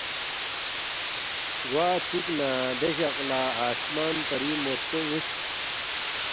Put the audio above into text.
گوا چِک نہ دے جق لہ آسمان پری موتپو نُ٘وس